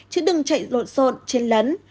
chứ đừng chạy lộn xộn trên lấn